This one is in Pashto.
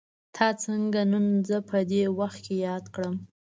تا څنګه نن زه په دې وخت کې ياد کړم.